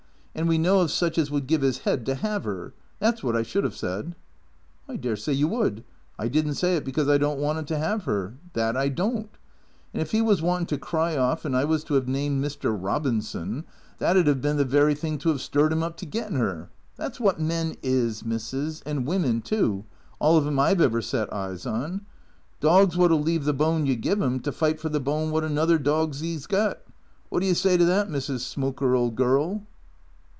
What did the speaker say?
And we know of such as would give 'is 'ead to 'ave 'er.' That 's wot I should 'ave said." " I dessay you would. I did n't say it, because I don't want 'im to 'ave 'er. That I don't. And if 'e was wantin' to cry off, and I was to have named Mr. Eobinson, that 'd 'ave bin the very thing to 'ave stirred 'im up to gettin' 'er. That 's wot men is, missis, and women, too, all of 'em I 've ever set eyes on. Dorgs wot '11 leave the bone you give 'em, to fight for the bone wot another dorg 'e 's got. Wot do you say to that, Mrs. Smoker, old girl